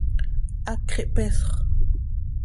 ¡Hacx ihpeesxö!